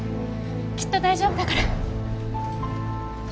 きっと大丈夫だから！